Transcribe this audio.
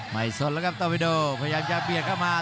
ไม่สนแล้วกับตอบิโดพยายามจะเปรียดเข้ามา